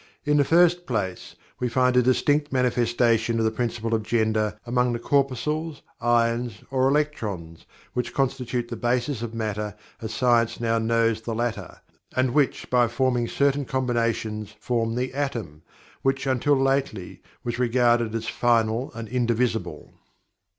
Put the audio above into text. In the first place, we find a distinct manifestation of the Principle of Gender among the corpuscles, ions, or electrons, which constitute the basis of Matter as science now knows the latter, and which by forming certain combinations form the Atom, which until lately was regarded as final and indivisible.